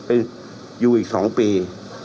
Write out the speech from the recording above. อื้ออยู่อีก๒ปี